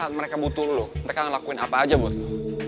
saat mereka butuh lu mereka ngelakuin apa aja buat